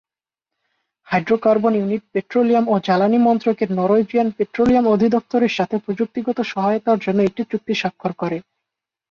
Hydrocarbon unit petroleum ও জ্বালানি মন্ত্রকের নরওয়েজিয়ান পেট্রোলিয়াম অধিদফতরের সাথে প্রযুক্তিগত সহায়তার জন্য একটি চুক্তি স্বাক্ষর করে।